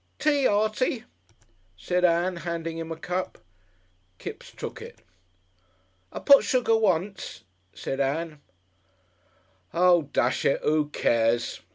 "Tea, Artie," said Ann, handing him a cup. Kipps took it. "I put sugar once," said Ann. "Oo, dash it! Oo cares?"